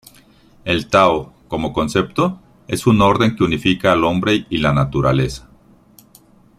El tao, como concepto, es un orden que unifica al hombre y la naturaleza.